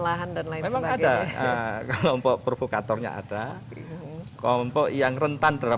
lahan dan lain sebagainya ada kelompok provokatornya ada kelompok yang rentan terhadap